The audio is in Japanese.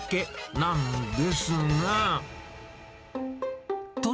なんですか？